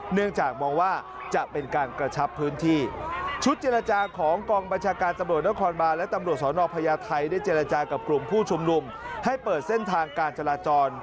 เนื่องจากมองว่าจะเป็นการกระชับพื้นที่ชุดเจรจาของกองบัญชาการตำรวจนครบานและตำรวจสอนอพญาไทยได้เจรจากับกลุ่มผู้ชุมนุมให้เปิดเส้นทางการจราจร